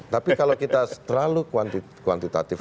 tapi kalau kita terlalu kuantitatif